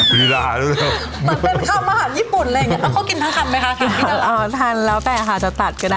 พี่อยากกินอะไรของพี่อ่ะ